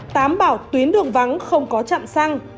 tám bảo tuyến đường vắng không có chặn xăng